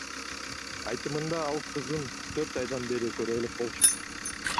Айтымында, ал кызын төрт айдан бери көрө элек болчу.